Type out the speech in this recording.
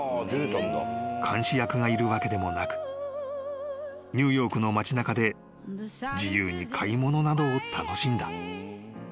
［監視役がいるわけでもなくニューヨークの街なかで自由に買い物などを楽しんだ］